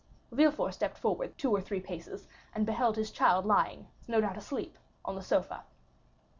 Villefort stepped forward two or three paces, and beheld his child lying—no doubt asleep—on the sofa.